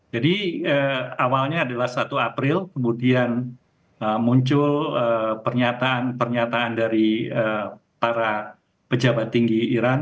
jadi awalnya adalah satu april kemudian muncul pernyataan pernyataan dari para pejabat tinggi iran